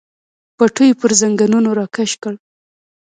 پټو یې پر زنګنونو راکش کړ.